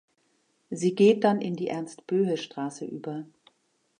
Sie geht dann in die Ernst-Boehe-Straße über.